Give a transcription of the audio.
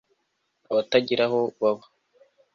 Abatagira aho baba